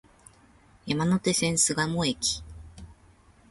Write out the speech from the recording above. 山手線、巣鴨駅